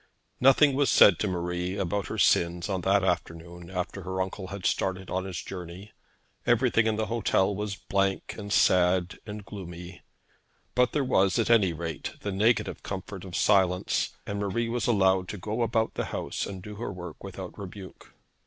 Nothing was said to Marie about her sins on that afternoon after her uncle had started on his journey. Everything in the hotel was blank, and sad, and gloomy; but there was, at any rate, the negative comfort of silence, and Marie was allowed to go about the house and do her work without rebuke.